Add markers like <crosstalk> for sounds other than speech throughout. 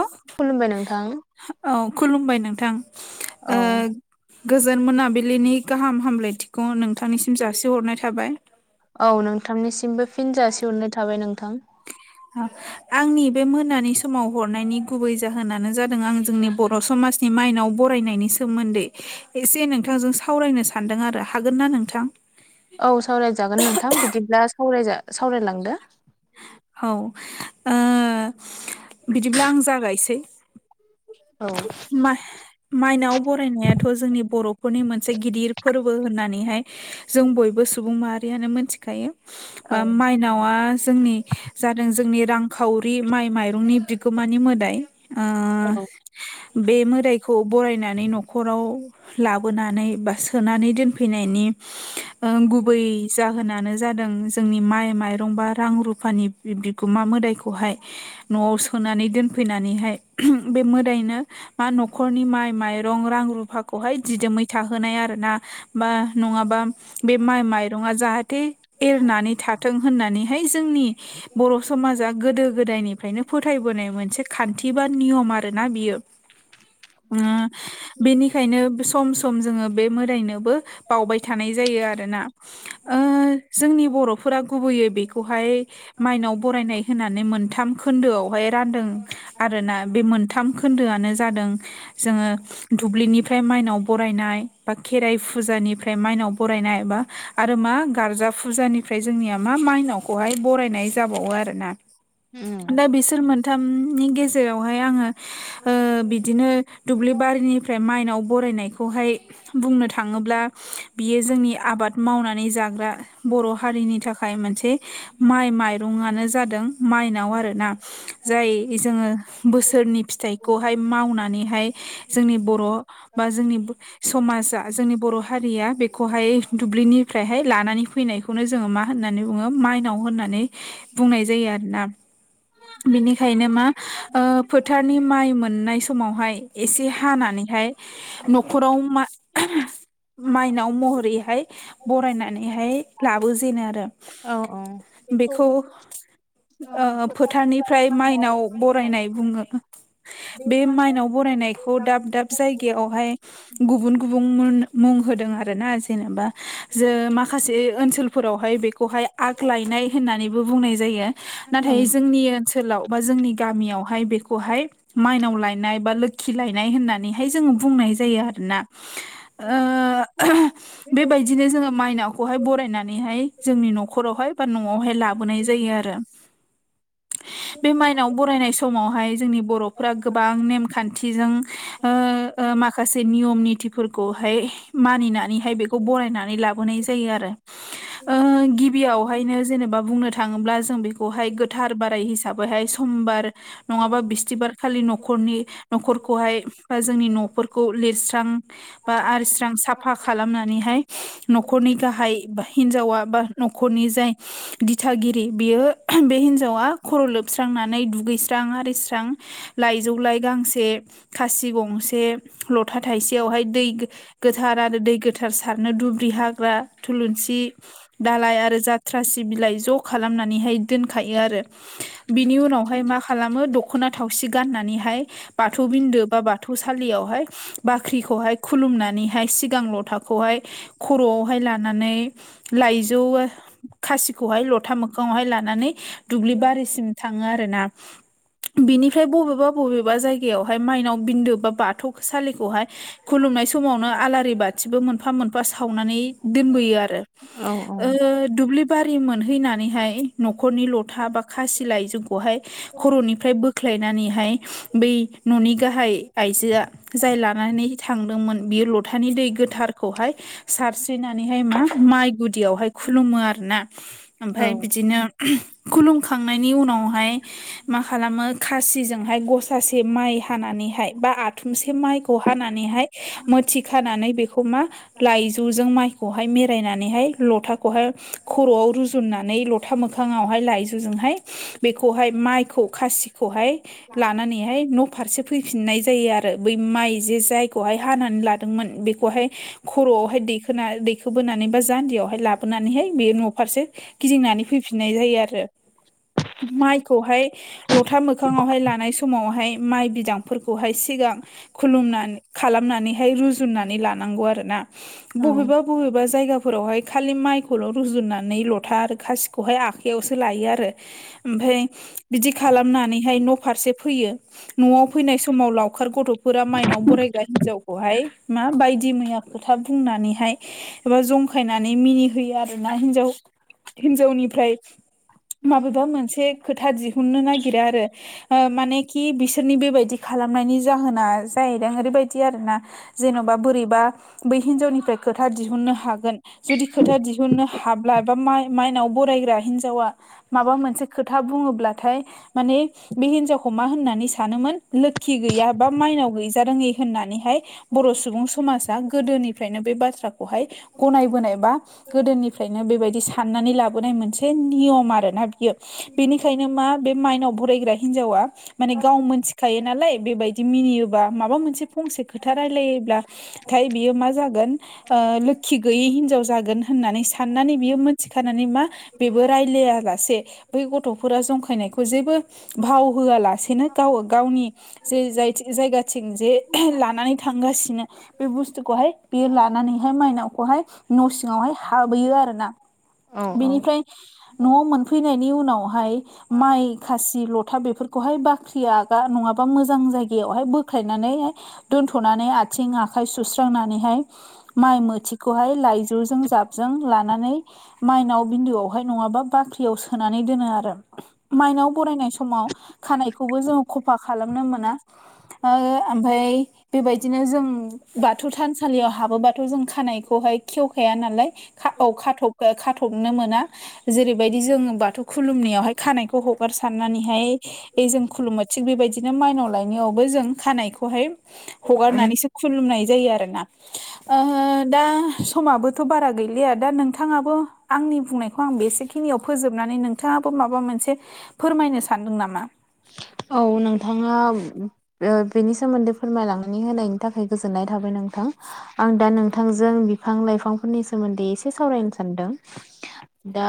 औ खुलुमबाय नोंथां औ खुलुमबाय नोंथां। ओ औ गोजोन मोनाबिलिनि गाहाम हामलायथिखौ नोंथांनिसिम जासिहरनाय थाबाय। औ नोंथांनिसिमबो फिन जासिहरनाय थाबाय नोंथां। अ आंनि बे मोनानि समाव हरनायनि गुबै जाहोनानो जादों आं जोंनि बर' समाज नि माइनाव बरायनायनि सोमोन्दै एसे नोंथांजों सावरायनो सानदों आरो हागोन ना नोंथां? औ सावरायजागोन नोंथां बिदिब्ला सावरायजा सावरायलांदो औ ओ बिदिब्ला आं जागायसै। औ माइ माइनाव बरायनायाथ' जोंनि बर'फोरनि मोनसे गिदिर फोरबो होननानैहाय जों बयबो सुबुं माहारियानो मोनथिखायो औ माइनावा जोंनि जादों जोंनि रां खाउरि माइ माइरंनि बिगोमानि मोदाइ ओ औ बे मोदाइखौ बरायनानै न'खराव लाबोनानै बा सोनानै दोनफैनायनि गुबै जा होनानो जादों जोंनि माइ माइरं बा रां रुफानि बिगोमा । मोदाइखौहाय न'आव सोनानै दोनफैनानैहाय बे मोदाइनो मा नखरनि माइ माइरं रां रुफाखौहाय दिदोमै थाहोनाय आरो ना । बा नंङाबा बे माइ माइरं जाहाथे एरनानै थाथों होननानैहाय जोंनि बर समाजा गोदो गोदायनिफ्रायनो फोथायबोनाय मोनसे खान्थि बा नियम आरो । आरोना बेयो ओ बेनिखायनो सम सम जोंङो बे मोदायनोबो बावबाय थानाय जायो आरोना। ओ जोंनि बर'फोरा गुबैयै बेखौहाय माइनाव बरायनाय होनानै मोनथाम खोन्दोआवहाय रानदों आरोना बे मोनथाम खोन्दोआनो जादों जोंङो दुब्लिनिफ्राय माइनाव बरायनाय बा खेराइ फुजानिफ्राय माइनाव बरायनाय बा आरो मा गारजा फुजानिफ्राय जोंनिया मा माइनावखौहाय बरायनाय जाबावो । आरो ना दा बिसोर मोनथामनि गेजेरावहाय आंङो । उ बिदिनो दुब्लि बारिनिफ्राय माइनाव बरायनाय खौहाय बुंनो थांङोब्ला बियो जोंनि आबाद मावनानै जाग्रा बर हारिनि थाखाय मोनसे माइ माइरआनो जादों माइनाव आरोना जाय जोंङो बोसोरनि फिथाइखौहाय मावनानैहाय जोंनि बर बा जोंनि समा जा‌ जोंनि बर हारिया बेखौहाय दुब्लिनि ओमफ्रायहाय लानानै फैनायखौनो जोंङो मा होननानै बुंङो? माइनाव होननानै बुंनाय जायो आरोना । बिनिखायनो मा ओ फोथारनि माइ मोन मोननाय समावहाय एसे हानानैहाय नखराव मा माइनाव महरैहाय बरायनानैहाय लाबोजेनो आरो औ बेखौ ओ फोथारनिफ्राय माइनाव बरायनाय बुंङो । बे माइनाव बरायनायखौ दाब दाब जायगायावहाय गुबुन-गुबुन मुं होदों आरो ना जेनेबा? जों माखासे ओनसोलफोरावहाय बेखौहाय आग लायनाय होननानैबो बुंनाय जायो । नाथाय जोंनि ओनसोलाव बा जोंनि गामियावहाय बेखौहाय माइनाव लायनाय बा लोखि लायनाय होननानैहाय जों बुंनाय जायो आरोना? ओ बेबायदिनो जोंङो मायनावखौहाय बरायनानैहाय जोंनि न खरावहाय बा न आवहाय लाबोनाय जायो आरो? <inaudible> बे माइनाव बरायनाय समावहाय जोंनि बरफोरा गोबां नेमखान्थिजों ओ-ओ माखसे निवम निथि फोरखौहाय मानिनानैहाय बेखौ बरायनानै लाबोनाय जायो आरो ओ गिबियाव ओमखायनो जेनेबा बुंनो थांङोब्ला जों बेखौहाय गोथार बाराय हिसाबैहाय समबार नंङाबा बिस्थिबार खालि नखरनि नखरखौहाय बा जोंनि नफोरखौ लिरस्रां बा आरज्रां साफा खालामनानैहाय नखरनि गाहाय हिनजावा बा नखरनि जाय दिथागिरि बियो बे हिनजावा खर लोबस्रांनानै दुगैस्रां आरिस्रां लाइजौ लाइ गांसे खासि गंसे लथा थाइसेयावहाय दै गो गोथार आरो दै गोथार सारनो दुब्रि हाग्रा थुलुंसि दालाय आरो जाथ्रासि बिलाइ ज खालामनानैहाय दोनखायो आरो बिनि उनावहाय मा खालामो दखना थावसि गाननानैहाय बाथौ बिन्दो बा बाथौसालियावहाय बाख्रिखौहाय खुलुमनानैहाय सिगांल थाखौहाय खरआवहाय लानानै लाइजौ खासिखौहाय लथा मोखांङावहाय लानानै दुब्लि बारिसिम थाङो आरो ना बिनि बबेबा बबेबा जायगायावहाय मायनाव बिन्दो बा बाथौ सालिखौहाय खुलुमनाय समावनो आलारि बाथिबो मोनफा मोनफा सावनानै दोनबोयो आरो औ ओ दुब्लि बारि मोनहैनानैहाय न'खरनि लथा बा खासिलाय जोंखौहाय खर'निफ्राय बोख्लायनानैहाय बै न'नि गाहाय आइजोआ जाय लानानै थां लोंदोंमोन बेयो लथानि दै गोथारखौहाय सारस्रिनानैहाय मा माइ गुदियावहाय खुलुमो आरो ना । ओमफ्राय बिदिनो खुलुमखांनायनि उनावहाय मा खालामो खासिजोंहाय गसासे माइ हानानैहाय बा आ आथुमसे माइखौ हानानैहाय मोथि खानानै बेखौ मा लाइजौ जों माइ खौहाय मरायनानैहाय लथाखौहाय खर'आव रुजुननानै लथा मोखांयाव हाय लाइजौ जों हाय बैखौ हाय माइखौ खासिजों माइखौ हाय लानानै हाय न' फारसे फैफिननाय जायो आरो बै माइ जे जायखौहाय हानानै लादोंमोन बेखौहाय खर'आवहाय दैखोना दैखोबोनानै बा जान्दियावहाय लाबोनानैहाय बे न'फारसे गिदिंनानै फैफिननाय जायो आरो माइखौहाय लथा मोखाङावहाय लानाय समावहाय माइ बिदांफोरखौहाय सिगां खुलुमनानै खालामनानैहाय रुजुननानै लानांगौ आरोना बबेबा बबेबा जायगाफोरावहाय खालि माइखौल' रुजुननानै लथा आरो खासिखौहाय आखाइयावसो लायो आरो ओमफ्राय बिदि खालामनानैहाय न' फारसे फैयो न'आव फैनाय समाव लावखार गथ'फोरा माइनाव बरायग्रा हिनजावखौहाय मा बायदि मैया खोथा बुंनानैहाय एबा जंखायनानै मिनिहोयो आरो ना हिनजाव हिनजावनिफ्राय माबेबा मोनसे खोथा दिहुननो नागिरा आरो ओ मानेखि बिसोरनि बेबायदि खालामनायनि जाहोना जाहैदों ओरैबायदि आरो ना जेन'बा बोरैबा बै हिनजावनिफ्राय खोथा दिहुननो हागोन जुदि खोथा दिहुननो हाब्ला बा माइनाव बरायग्रा हिनजावा माबा मोनसे खोथा खोथा बुङोब्लाथाय माने बे हिनजावखौ मा होननानै सानोमोन लोखि गैया बा माइनाव गैजा रोङै होननानैहाय बर' सुबुं समाजा गोदोनिफ्रायनो बे बाथ्राखौ हाय गनायबोनाय बा गोदोनिफ्रायनो बेबायदि साननानै लाबोनाय मोनसे नियम आरोना बियो बेनिखायनो मा बे माइनाव बरायग्रा हिनजावा माने गाव थायो नालाय बेबायदि मिनियोबा माबा मोनसे फंसे खोथा रायलायोब्ला नाथाय बियो मा जागोन ओ लोखि गैयै हिनजाव जागोन होननानै साननानै बियो मोन थिखनानै मा बेबो रायज्लाया लासे बै गथ'फोरा जंखायनायखौ जेबो भाव होआलासेनो गाव गावनि जे जाय जायगाथिं जे लानानै थांगासिनो बे बुस्थुखौहाय बेयो लानानैहाय मायनावखौहाय न' सिङावहाय हाबहैयो आरो ना औ बेनिफ्राय न'आव मोनफैनायनि उनाव हाय माइ खासि लथा बेफोरखौ हाय बाख्रि आगा नङाबा मोजां जायगायावहाय बोख्लायनानैहाय दोनथ'नानै आथिं आखाय सुस्रांनानैहाय माइ मोथि खौहाय लाइजौजों जाबजों लानानै माइनाव बिन्दुआवहाय नङाबा बाख्रियाव सोनानै दोनो आरो आरो माइनाव बरायनाय समाव खानायखौबो जोङो खफा खालामनो मोना ओ ओमफाय बेबायदिनो जों बाथौ थानसालियाव हाबोबाथ' जों खानायखौहाय खेवखाया नालाय खाथबनो मोना जेरैबायदि जों बाथौ खुलुमनि खानायखौ हगार सारनानैहाय जों खुलुमो थिग बेबायदिनो माइनाव लाय नियावबो जों खानायखौहाय हगारनानैसो खुलुमनाय जायो ओ आरोना दा समाबो थ' बारा गैलिया दा नोंथाङाबो आंनि बुंनायखौ आं बेसेखिनियाव फोजोबनानै नोंथाङा फो माबा मोनसे फोरमायनो सानदों नामा औ नोंथाङा बेनि सोमोन्दै फोरमायलांनानै होनायनि थाखाय गोजोननाय थाबाय नोंथां आं दा नों थांजों बिफां लाइफांफोरनि सोमोन्दै एसे सावरायनो सानदों दा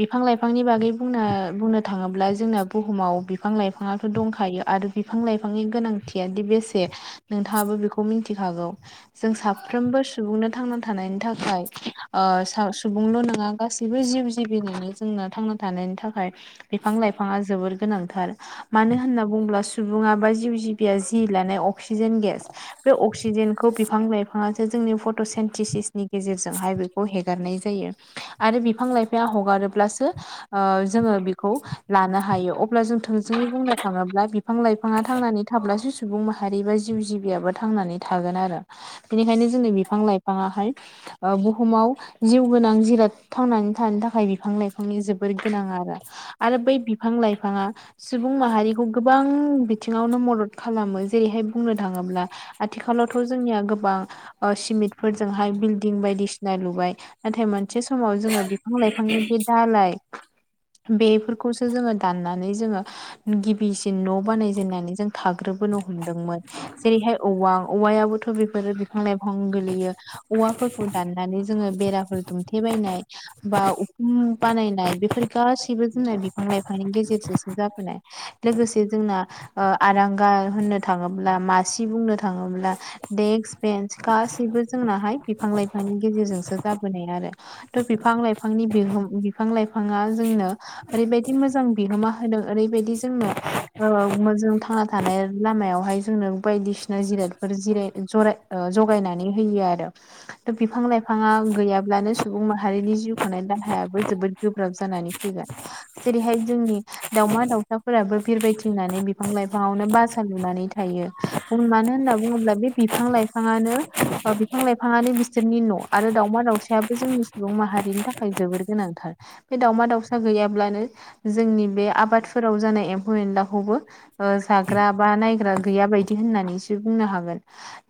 बिफां लाइफांनि बागै बुंनो बुंनो थाङोब्ला जोंना बुहुमाव बिफां लाइफां आथ' दंखायो आरो बिफां लाइफांनि गोनांथियादि बेसे नोंथाङाबो बेखौ मिनथिखागौ जों साफ्रोमबो सुबुंनो थांना थानायनि थाखाय ओ साव सुबुंल' नङा गासैबो जिउ जिबिनो जोंना थांना थानायनि थाखाय बिफां लाइफाङा जोबोर गोनांथार मानो होनना बुङोब्ला सुबुङा बा जिउ जिबिया जि लानाय अ क्सिजेन गेस बे अक्सिजेन खौ बिफां लाइफाङासो जोंनि फट'सेन्टिसिसनि गेजेरजोंहाय बेखौ हेगारनाय जायो आरो बिफां लाइफाया हगारोब्लासो ओ जोङो बेखौ लानो हा हायो अब्ला जों थोंजोंङै बुंनो थाङोब्ला बिफां-लाइफांङा थांना थाब्लास सुबुं माहारि बा जिउ जिबियाबो थांनानै थागोन आरो बिनिखायनो जोंनो बिफां-लाइफ बिफाङाहाय ओ बुहुमाव जिउ गोनां जिराद थांनानै थानो थाखाय बिफां लाइफांनि जोबोर गोनां आरो आरो बै बिफ लाइफांङा सुबुं माहारिखौ गोबां बिथिंङावनो मदद खालामो जेरैहाय बुंनो थाङोब्ला आथिखालावथ' जोंनिया गोबां सिमेन्टफोरजोंहाय बिल्डिं बायदिसिना लुबाय नाथाय मोनसे समाव जोङो बिफां लाइफांनि बे दालाइ बेफोरखौ दाननानै जोङो गिबिसिन न' बानायजेननानै जों थाग्रोबोनो हमदोंमोन जेरैहाय औवा औवायाबोथ' बेफोरो बिफां लाइफां गोलैयो औवा फोरखौ दाननानै जोङो बेराफोर दुमथेबायनाय बा उखुम बानायनाय बेफोर गासैबो जोंना बिफां लाइफांनि गेजेरजोंसो जाबोनाय लोगोसे जोंना ओ आरांगा होननो थाङोब्ला मासि बुंनो थाङोब्ला देक्स बेन्स गाैसैबो जोंनाहाय बिफां लाइफांनि गेजेरजोंसो जाबोनाय आरो थ' बिफां लाइफांनि बिहोम बिफां लाइफाङा जोंनो ओरैबायदि मोजां बिहोमा होदों ओरैबायदि जोंनो ओ मो जों थांना थानाय लामायावहाय जोंनो बायदिसिना जिरादफोर जिराय जर जगायनानै होयो आरो थ' बिफां लाइफाङा गैयाब्लानो सुबुं माहारिनि जिउ खुंनायनि दाहायाबो जोबोद गोब्राब जानानै फैगोन जेरैहाय जोंनि दाउमा दाउसाफोराबो बिरबायथिंनानै बिफां लाइफांङावनो बासा लुनानै थायो उम मानो होनना बुङोब्ला बे बिफां लाइफाङानो बिफां लाइफाङानो बिसोरनि न' आरो दावमा दाउसायाबो जोंनि सुबुं माहारिनि थाखाय जोबोर गोनांथार बे दावमा दाउसा गैयाब्लानो जोंनि बे आबादफोराव जानाय एम्फौ एनलाखौबो ओ जाग्रा बा नायग्रा गैया बायदि होननानैसो बुंनो हागोन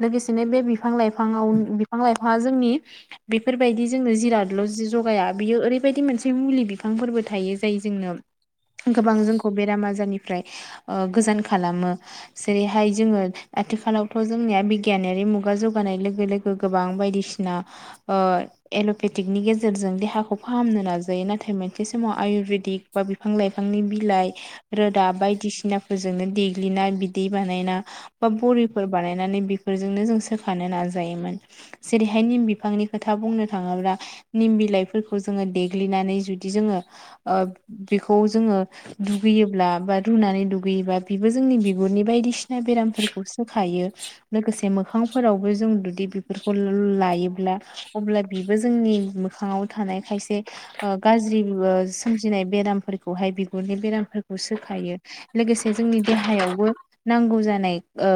लोगोसेनो बे बिफां लाइफाङाव बिफां लाइफांङा जोंनि बेफोरबायदि जोंनो जिरादल' जि जगाया बियो ओरैबायदि मोनसे मुलि बिफांफोरबो थायो जाय जोंनो गोबां जोंखौ बेराम आजारनिफ्राय ओ गोजान खालामो जेरैहाय जोङो आथिखालावथ' जोंनिया बिगियानारि मुगा जौगानाय लोगो लोगो गोबां बायदिसि ना ओ एल'पेथिकनि गेजेरजों देहाखौ फाहामनो नाजायो नाथाय मोनसे समाव आयुरवेदिक बा बिफां लाइफांनि बिलाइ रोदा बायदिसिनाफोरजोंनो देग्लिना बिदै बानायना बा बरिफोर बानायनानै बेफोरजोंनो जों सोखानो नाजायोमोन। जेरैहाय निम बिफांनि खोथा बुंनो थाङोब्ला निम बिलाइफोर खौ जोङो देग्लिनानै जुदि जोङो ओब बेखौ जोङो दुगैयोब्ला बा रुनानै दुगैयोबा बेबो जोंनि बिगुरनि बायदिसिना बेरामफोरखौ सो खायो लोगोसे मोखांफोरावबो जों जुदि बेफोरखौ लायोब्ला अब्ला बिबो जोंनि मोख मोखाङाव थानाय खायसे ओह गाज्रि ओ सोमजिनाय बेरामफोरखौहाय बिगुरनि बेरामफोरखौ सोखायो लोगोसे जोंनि देहायावबो नांगौ जानाय ओ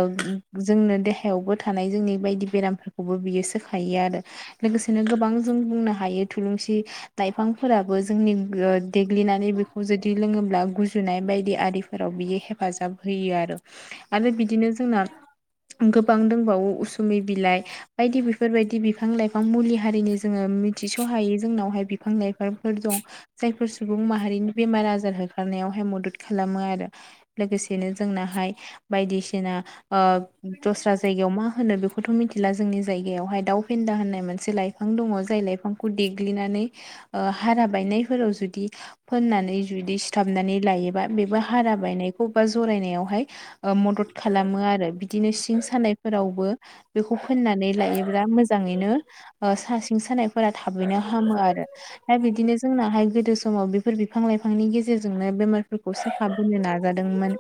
जोंनो देहायावबो थानाय जोंनि बायदि बेरामफोरखौबो बियो सोख हायो आरो लोगोसेनो गोबां जों बुंनो हायो थुलुंसि लाइफांफोराबो जोंनि देग्लिनानै बेखौ जुदि लोङोब्ला गुजुनाय बायदि आरिफोराव बियो हेफाजाब होयो आरो। आरो बिदिनो जोंना गोबां दंबावो उसुमि बिलाइ बायदि बेफोरबायदि बिफां लाइफां मुलि हारिनि जोङो मिथिस' हायि जोंनावहाय बिफां लाइ बेफोर दं। जायफोर सुबुं माहारिनि बेमार आजार होखारनायावहाय मदद खालामो आरो लोगोसे बिदिनो जोंनाहाय बायदिसिना ओह दस्रा जायगायाव मा होनो बेखौथ' मिथिला जोंनि जायगायावहाय दाउ फेन्दा होननाय मोनसे लाइफां दङ' जाय लाइफांखौ देग्लिनानै ओ हारा बायनायफोराव जुदि फोननानै जुदि सिथाबनानै लायोबा बेबो हारा बायनायखौ बा जरायनायावहाय ओ मदद खालामो आरो बिदिनो सिं सानायफोरावबो बेखौ फोननानै लायोब्ला मोजाङैनो ओ सा सिं सानायफोरा थाबैनो हामो आरो दा बिदिनो जोंनाहाय गोदो समाव बेफोर बिफां लाइफांनि गेजेरजोंनो बेमारफोरखौ सोखाबोनो नाजादोंमोन।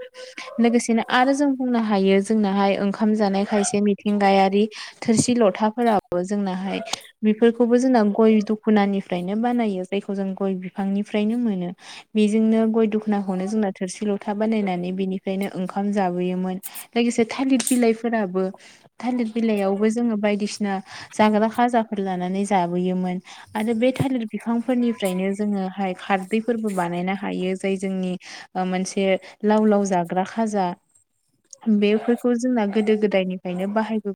लोगोसेनो आरो जों बुंनो हायो जोंनाहाय ओंखाम जानाय खायसे मिथिंगायारि थोरसि लथाफोराबो जोंनाहाय बेफोरखौबो जोंना गय दख'नानिफ्रायनो बानायो। जायखौ जों गय बिफांनिफ्रायनो मोनो। बेजोंनो गय दखनाखौनो जोंना थोरसि लथा बानायनानै बेनिफ्रायनो ओंखाम जाबोयोमोन। लोगोसे थालिर बिलाइफोराबो थालिर बिलाइयावबो जोङो बायदिसि ना जाग्रा खाजाफोर लानानै जाबोयोमोन आरो बे थालिर बिफां फोरनिफ्रायनो जोङोहाय खारदैफोरबो बानायनो हायो जाय जोंनि मोनसे लाव लाव जाग्रा खाजा बेफोरखौ जोंना गोदो गोदायनिफायनो बाहायबो